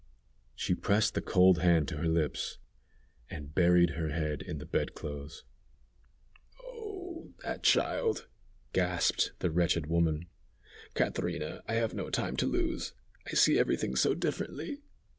She pressed the cold hand to her lips, and buried her head in the bed clothes. "Oh! that child!" gasped the wretched woman. "Catrina, I have no time to lose. I see every thing so differently.